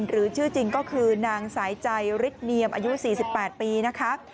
หรือชื่อจริงก็คือนางสายใจฤทธเนียมอายุ๔๘ปีนะคะ